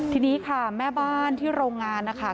ทีนี้ค่ะแม่บ้านที่โรงงานนะคะ